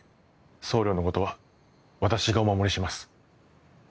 総領のことは私がお守りします